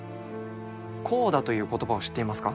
コーダという言葉を知っていますか？